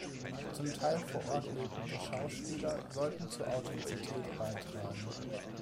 Zum Teil vor Ort lebende Schauspieler sollten zur Authentizität beitragen.